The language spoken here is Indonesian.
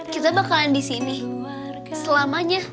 kita bakalan disini selamanya